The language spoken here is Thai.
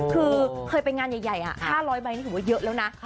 คือเคยไปงานใหญ่๕๐๐ใบนี่ถือว่าเยอะแล้วนะ